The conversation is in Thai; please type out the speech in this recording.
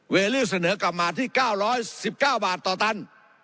ลี่เสนอกลับมาที่๙๑๙บาทต่อตัน